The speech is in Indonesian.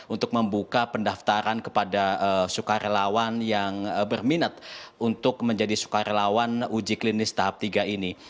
untuk membuka pendaftaran kepada sukarelawan yang berminat untuk menjadi sukarelawan uji klinis tahap tiga ini